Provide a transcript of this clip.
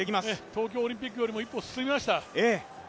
東京オリンピックよりも一歩進みました。